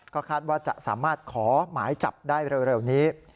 ก็คาดว่าจะสามารถขอหมายจับได้เร็วนี้